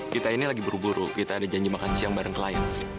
kita ini lagi buru buru kita ada janji makan siang bareng klien